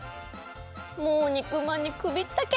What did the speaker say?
もう肉まんにくびったけ！